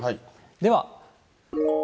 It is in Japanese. では。